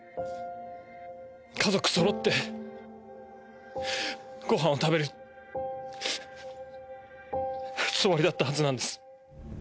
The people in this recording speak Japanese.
家族そろって、ご飯を食べるつもりだったはずなんです。